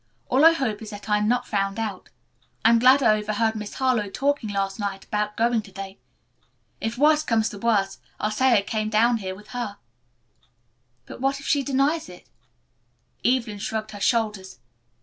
"All I hope is that I'm not found out. I'm glad I overheard Miss Harlowe talking last night about going to day. If worse comes to worst, I'll say I came down here with her." "But what if she denies it?" Evelyn shrugged her shoulders.